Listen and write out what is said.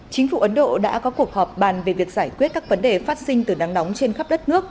chính phủ ấn độ đã có cuộc họp bàn về việc giải quyết các vấn đề phát sinh từ nắng nóng trên khắp đất nước